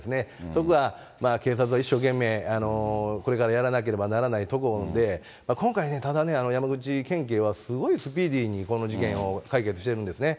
そこは、警察は一生懸命これからやらなければならないところで、今回、ただね、山口県警は、すごいスピーディーにこの事件を解決してるんですね。